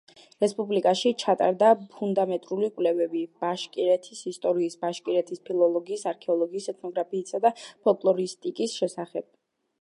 რესპუბლიკაში ჩატარდა ფუნდამენტური კვლევები ბაშკირეთის ისტორიის, ბაშკირეთის ფილოლოგიის, არქეოლოგიის, ეთნოგრაფიისა და ფოლკლორისტიკის შესახებ.